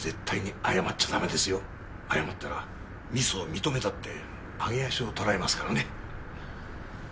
謝ったらミスを認めたって揚げ足を取られますからね。